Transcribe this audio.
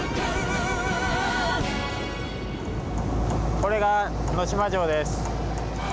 これが能島城です。